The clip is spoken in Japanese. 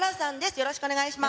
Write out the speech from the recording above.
よろしくお願いします。